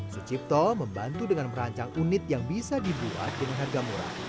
sucipto membantu dengan merancang unit yang bisa dibuat dengan harga murah